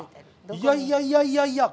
いやいやいやいや。